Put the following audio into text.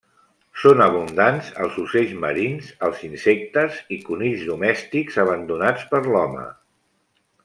Són abundants els ocells marins, els insectes i conills domèstics abandonats per l'home.